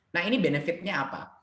nah ini benefitnya apa